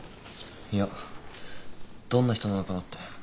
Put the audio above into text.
いやどんな人なのかなって。